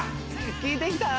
効いてきた？